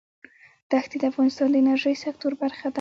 دښتې د افغانستان د انرژۍ سکتور برخه ده.